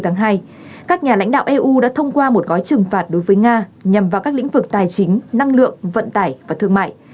các nhà lãnh đạo eu đã thông qua một gói trừng phạt đối với nga nhằm vào các lĩnh vực tài chính năng lượng vận tải và thương mại